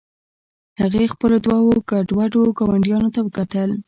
هغې خپلو دوو ګډوډو ګاونډیانو ته وکتل